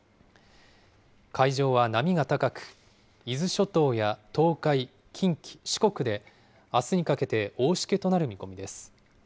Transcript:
海上は波が高く、伊豆諸島や東海、近畿、四国であすにかけて大しけとなる見込みです。